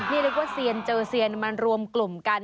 นี่นึกว่าเซียนเจอเซียนมารวมกลุ่มกัน